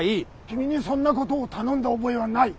君にそんなことを頼んだ覚えはない。